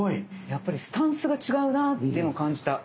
やっぱりスタンスが違うなぁっていうのを感じた。